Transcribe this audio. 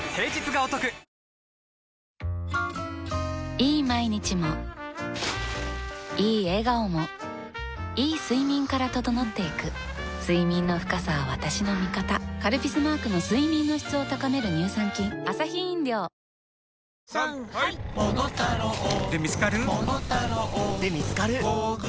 いい毎日もいい笑顔もいい睡眠から整っていく睡眠の深さは私の味方「カルピス」マークの睡眠の質を高める乳酸菌「ゴールドスター」！